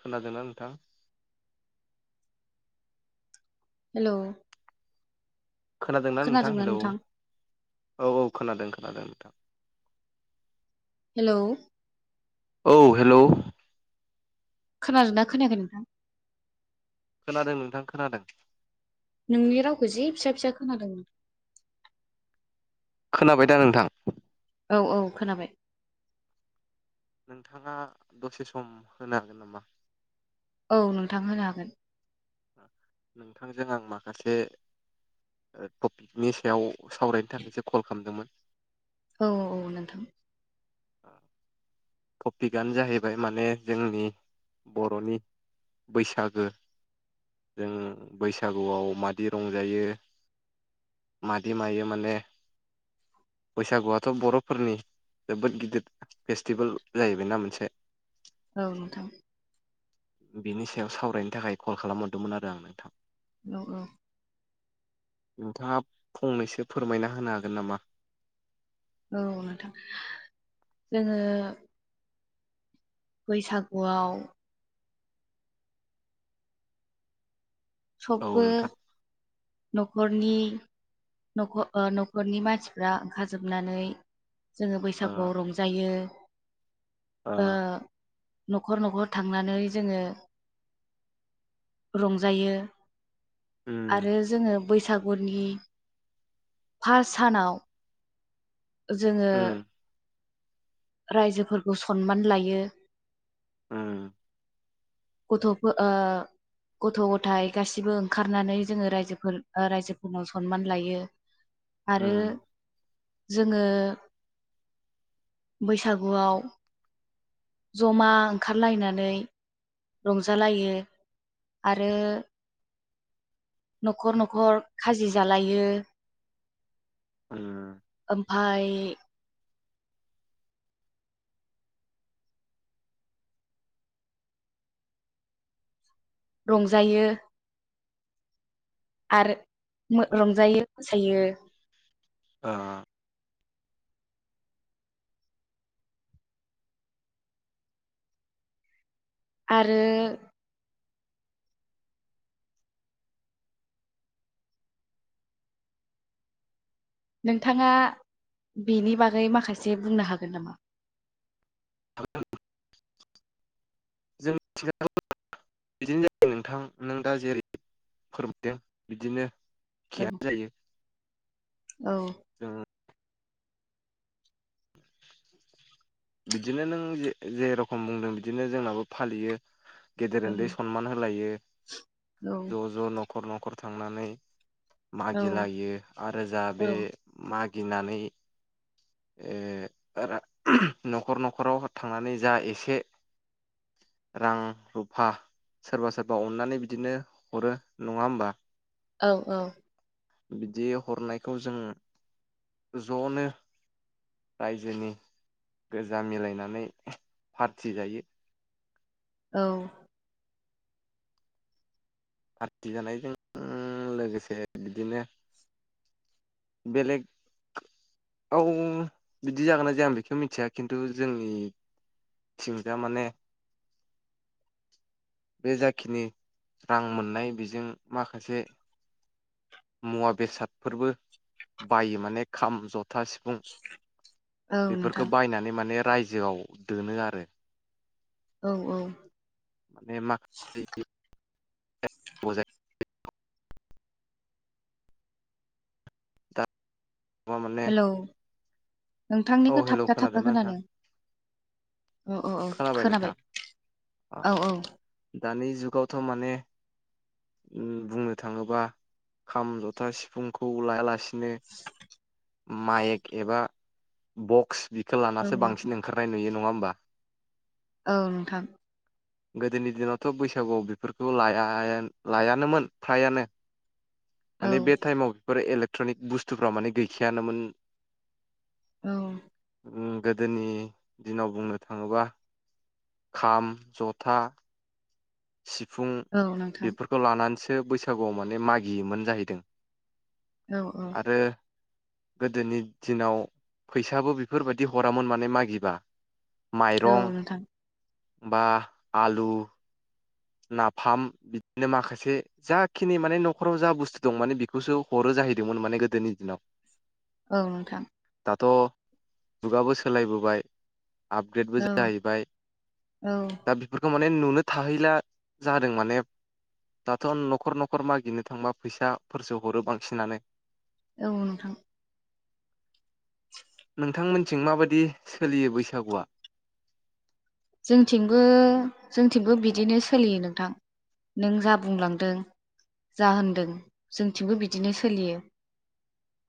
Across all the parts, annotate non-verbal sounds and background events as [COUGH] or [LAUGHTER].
खोनादोंना नोंथां हेल' खोनादोंना नोंथां हेलौ औ औ खोनादों खोनादों नोंथां हेल' औ हेल' खोनादोंोनना खोनायाखै नोंथां खोनादों नोंथां खोनादों नोंनि रावखौ जि फिसा फिसा खोनादोंमोन खोनाबाय दा नोंथां औ औ खोनाबाय नोंथाङा दसे सम होनो हागोन नामा औ नोंथां होनो हागोन नोंथांजों आं माखासे टपिकनि सायाव सावरायनो थाखायसो कल खालामदोंमोन औ औ नोंथां औ टपिकआनो जाहैबाय माने जोंनि बर'नि बैसागो जों बैसागुआव मादि रंजायो माददि मायायो माने बैसागुआथ' बर'फोरनि जोबोद गिदिर फेस्टिभेल जाहैबायना मोनसे औ नोंथां बिनि सायाव सावरायनो थाखाय कल खालामहरदोंमोन आरो आं नोंथां औ औ नोंथाङा फंनैसो फोरमायना होनो हागोन नामा औ नोंथां जोङो बैसागुआव औ सबबो नोंथां न'खरनि न'खरनि मानसिफ्रा ओंखार जोबनानै जोङो ओ बैसागुआव रंजायो ओ न'खर न'खर थांनानै जोङो रंजायो उम आरो जोङो बैसागुनि फार्ट सानाव जोङो उम रायजोफोरखौ सनमान लायो ओम गथबो ओ गथ' गथाइ गासैबो ओंखारनानै जोङो रायजोफोर रायजोफोरखौ सनमान लायो [INAUDIBLE] आरो जोङो बैसागुआव जमा ओंखारलायनानै रंजालायो आरो न'खर न'खर खाजि जालायो ओम ओमफाय रंजायो आरो रंजायो मोसायो ओ आरो नोंथाङा बेनि बागै माखासे बुंनो हागोन नामा [UNINTELLIGIBLE] बिदिनो जायो नोंथां नों दा जेरै फोरमायदों बिदिनो औ एखेयानो औ ओ बिदिनो नों जेरखम बुंदों बिदिनो जोंनाबो फालियो गेदेर उन्दै सनमान होलायो औ ज' ज' न'खर न'खर थांनानै औ मागिलायो आरो जाहा औ बे मागिनानै ओ [UNINTELLIGIBLE] न'खर न'खराव थांनानै जा एसे रां रुफा सोरबा सोरबा अननानै बिदिनो हरो नङा होमबा औ औ बिदि हरनायखौ जों ज'नो रायजोनि गोजा मिलायनानै पार्टि जायो औ पार्टि जानायजों लोगोसे बिदिनो बेलेग औ बिदि जागोनना जाया आं बेखौ मिथिया खिन्थु जोंनि थिं जा माने बे जाखिनि रां मोननाय बेजों माखासे मुवा बेसादफोरबो बायो माने खाम जथा फुं औ नोंथां बेफोरखौ बायनानै माने रायजोआव दोनो आरो औ औ माने माखासे [UNINTELLIGIBLE] [UNINTELLIGIBLE] माने हेलौ औ नोंथांनिखौ हेलौ थाबथा खोनादोंना थाबथा नोंथां खोनादों औ औ औ खोनाबाय औ औ दानि जुगावथ' माने बुंनो थाङोबा खाम जथा सिफुंखौ लायालासिनो [INAUDIBLE] माइक एबा बक्स बिखौ औ लानासो बांसिन ओंखारनाय नुयो नङा होमबा औ नोंथां गोदोनि दिनावथ' बैसागुआव बेफोरखौ लाया लायानोमोन फ्रायानो औ माने बे टाइमाव बेफोर इलेक्ट्रनिक बुस्थुफ्रा माने गैखायानोमोन औ गोदोनि दिनाव बुंनो थाङोबा खाम जथा था [UNINTELLIGIBLE] सिफुं औ नोंथां बेफोरखौ लानानैसो बैसागुआव माने मागियोमोन जाहैदों औ औ आरो गोदोनि दिनाव फैसाबो बेफोरबायदि हरामोन माने मागिबा औ माइरं नोंथां बा आलु नाफाम बिदिनो माखासे जाखिनि माने न'खराव जा बुस्थु दं माने बेखौसो हरो जाहैदोंमोन माने गोदोनि दिनाव औ नोंथां दाथ' जुगाबो सोलायबोबाय आपग्रेडबो औ जाहैबाय औ दा बेफोरखौ माने नुनो थाहैला जादों माने दाथ' न'खर न'खर मागिनो थांबा फैसाफोरसो हरो बांसिनानो औ नोंथां नोंथांमोनथिं माबायदि सोलियो बैसागोआ जोंथिंबो जोंथिंबो बिदिनो सोलियो नोंथां नों जा बुंलांदों जा होनदों जोंथिंबो बिदिनो सोलियो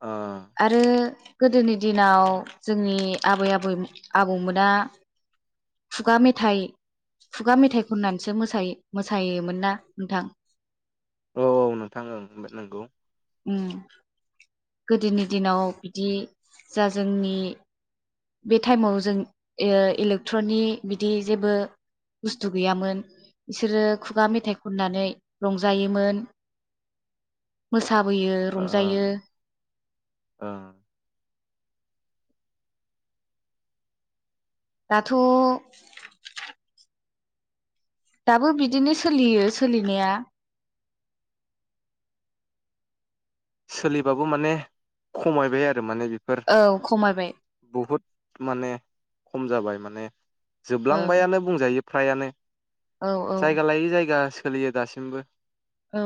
आ [UNINTELLIGIBLE] आरो गोदोनि दिनाव जोंनि आबै आबै आबौमोना खुगा मेथाइ खुगा मेथाइ खननानैसो मोसायोमोन ना नोंथां औ औ नोंथां ओं नंगौ उम गोदोनि दिनाव बिदि जा जोंनि बे टाइमाव जों इलेक्ट्रनि बिदि जेबो बुस्थु गैयामोन बिसोरो खुगा मेथाइ खननानै रंजायोमोन [INAUDIBLE] मोसाबोयो ओ रंजायो ओ दाथ' दाबो बिदिनो सोलियो सोलिनाया सोलिबाबो माने खमायबाय आरो माने बे औ खमायबाय बहुद माने खम जाबाय माने ओं जोबलांबायानो बुंजायो फ्रायानो औ औ जायगा लायै जायगा सोलियो दासिमबो औ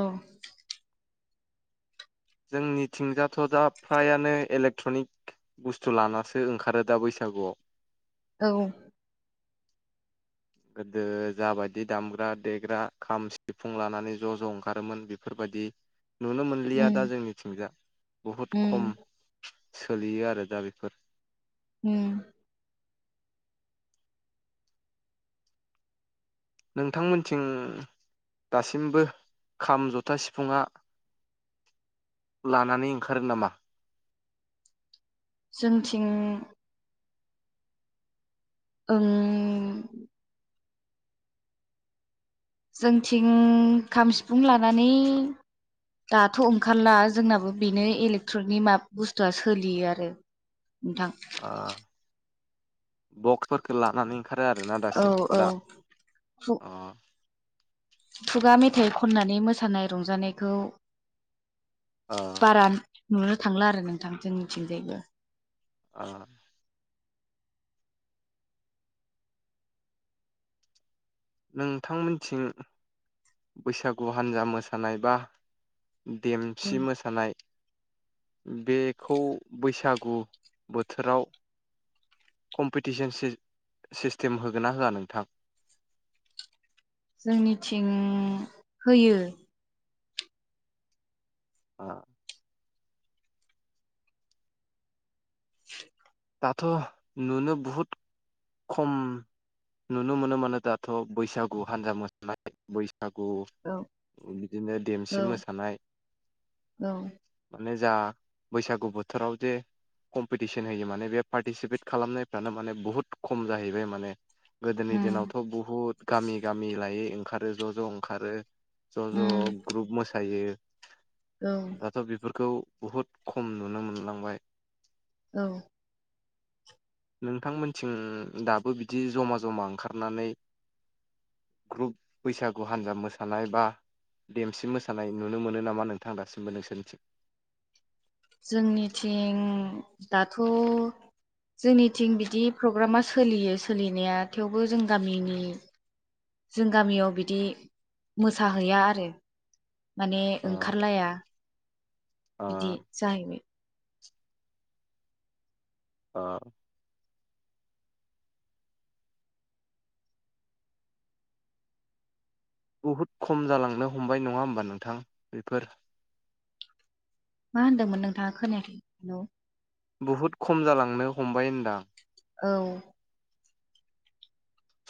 जोंनिथिंजाथ' दा फ्रायानो इलेक्ट्रनिक बुस्थु लानासो ओंखारो दा बैसागोआव औ गोदो जाबायदि दामग्रा देग्रा खाम सिफुं लानानै ज' ज' ओंखारोमोन बेफोरबायदि नुनो मोनलिया दा उम जोंनिथिंजा बहुद खम उम सोलियो आरो दा बेफोर हम [UNINTELLIGIBLE] नोंथांमोनथिं दासिमबो खाम जथा सिफुंआ लानानै ओंखारो नामा जोंनिथिं ओं जोंथिं खाम सिफुं लानानै दाथ' ओंखारला जोंनाबो बेनो इलेक्ट्रनिकनि माबा बुस्थुआ सोलियो आरो नोंथां बक्सफोरखौ लानानै ओंखारो आरोना औ दासिम औ दा अ खुगा मेथाइ खननानै मोसानाय रंजानायखौ अ बारा नुनो थांला आरो नोंथां जोंनिथिंजायबो अ नोंथांमोनथिं बैसागु हान्जा मोसानाय बा औ देमसि मोसानाय बेखौ बैसागु बोथोराव कम्पिटिसन सिस्ट सिस्टेम होगोन ना होआ नोंथां जोंनिथिं होयो अ [INAUDIBLE] दाथ' नुनो बहुद खम नुनो मोनो माने दाथ' बैसागु हान्जा मोसानाय बैसागु औ बिदिनो देमसि औ मोसानाय औ माने जा बैसागु बोथोराव जे कम्पिटिसन होयो माने बे पार्टिसिपेट खालामनायफ्रानो माने बुहुत खम जाहैबाय माने गोदोनि उम दिनावथ' बुहुत गामि गामि लायै ओंखारो ज' ज' ओंखारो ज' ज' उम ग्रुप मोसायो औ दाथ' बेफोरखौ बहुद खम नुनो मोनलांबाय औ नोंथांमोनथिं दाबो बिदि जमा जमा ओंखारनानै ग्रुप बैसागु हान्जा मोसानाय बा देमसि मोसानाय नुनो मोनो नामा नोंथां दासिमबो नोंसोरनिथिं जोंनिथिं दाथ' जोंनिथिं बिदि प्रग्रामा सोलियो सोलिनाया थेवबो जों गामिनि जों गामियाव बिदि मोसाहैया आरो माने अ ओंखारलाया ओ बिदि जाहैबाय अ बुहुद खम जालांनो हमबाय नङा होमबा नोंथां बेफोर मा होन्दोंमोन नोंथाङा खोनायाखै बहुद खम जालांनो हमबाय होनदां औ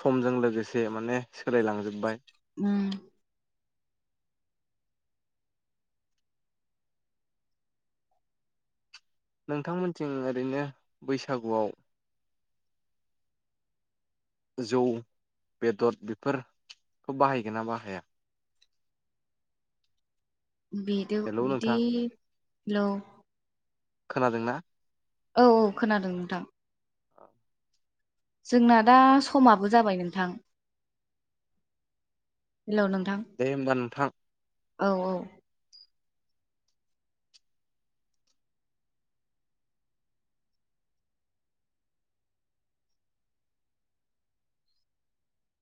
समजों लोगोसे माने सोलायलांजोब्बाय ओम नोंथांमोनथिं ओरैनो बैसागुआव जौ बेदर बेफोरखौ बाहायगोन ना बाहाया बेद हेलौ बिदि नोंथां ल' खोनादोंना औ औ खोनादों नोंथां औ जोंना दा समाबो जाबाय नोंथां हेल' नोंथां दे होमबा नोंथां औ औ